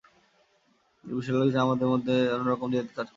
একটা বিষয় লক্ষ করেছি, আমাদের সবার মধ্যে অন্য রকম জেদ কাজ করছে।